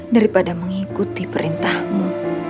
daripada mengikuti perintahmu